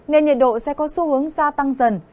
nên nhiệt độ sẽ có xu hướng gia tăng dần